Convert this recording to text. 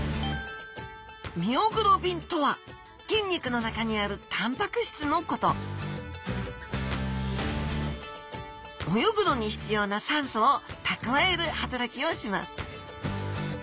ミオグロビンとは筋肉の中にあるたんぱく質のこと泳ぐのに必要な酸素を蓄える働きをします